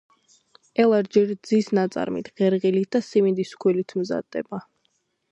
ელარჯი რძის ნაწარმით, ღერღილით და სიმინდის ფქვილით მზადდება.